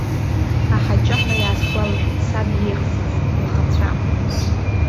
Аҳаҷаҳәа иаасгәалашәеит саб иеихсыз, иаӷацәа.